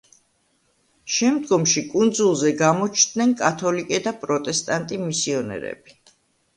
შემდგომში კუნძულზე გამოჩნდნენ კათოლიკე და პროტესტანტი მისიონერები.